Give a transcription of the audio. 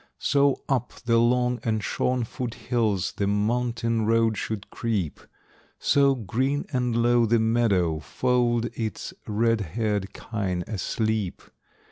So up the long and shorn foot hills The mountain road should creep; So, green and low, the meadow fold Its red haired kine asleep.